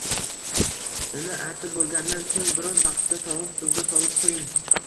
Uni artib bo'lgandan so'ng biroz vaqtga sovuq suvga solib qo'ying